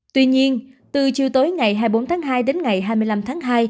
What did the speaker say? tuy nhiên từ chiều tối ngày hai mươi bốn tháng hai đến ngày hai mươi năm tháng hai